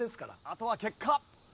あとは結果。